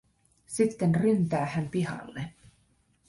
Sitten ryntää hän pihalle.